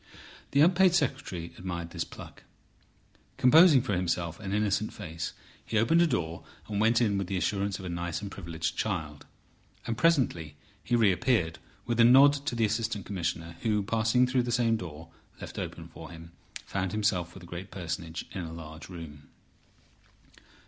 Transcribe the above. The unpaid secretary admired this pluck. Composing for himself an innocent face, he opened a door, and went in with the assurance of a nice and privileged child. And presently he reappeared, with a nod to the Assistant Commissioner, who passing through the same door left open for him, found himself with the great personage in a large room.